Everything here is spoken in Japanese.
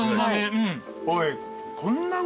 おい。